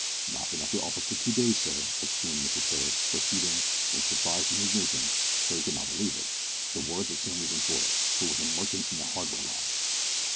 "Not been at the office for two days, sir!" exclaimed Mr Twitter, repeating in surprised indignation, for he could not believe it the words of Sammy's employer, who was a merchant in the hardware line.